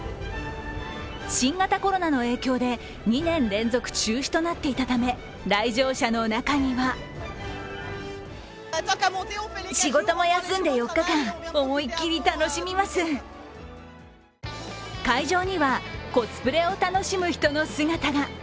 新型コロナの影響で２年連続中止となっていたため、来場者の中には会場にはコスプレを楽しむ人の姿が。